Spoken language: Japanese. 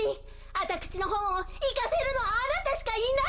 あたくしのほんをいかせるのはあなたしかいないのよ！